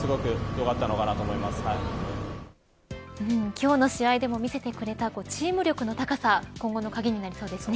今日の試合でも見せてくれたチーム力の高さ今後の鍵になりそうですね。